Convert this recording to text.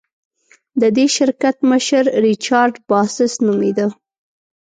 د دې شرکت مشر ریچارډ باسس نومېده.